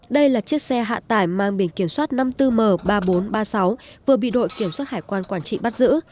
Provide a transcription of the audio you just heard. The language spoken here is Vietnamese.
đây là chiếc xe hạ tải mang biển kiểm soát năm mươi bốn m ba nghìn bốn trăm ba mươi sáu vừa bị đội kiểm soát hải quan quản trị bắt giữ